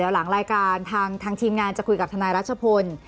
หลังรายการทางทีมงานจะคุยกับทนายรัชพล